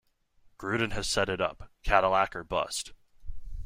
Gruden has set it up, Cadillac or bust.